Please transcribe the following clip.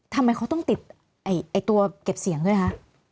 ทำไมเขาต้องติดตัวเก็บเสียงด้วยคะ